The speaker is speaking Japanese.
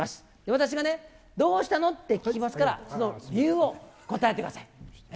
私がね、どうしたの？って聞きますから、その理由を答えてください。